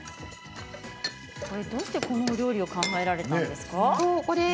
どうしてこの料理を考えられたんですか？